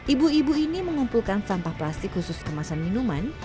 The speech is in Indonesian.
ibu ibu ini mengumpulkan sampah plastik khusus kemasan minuman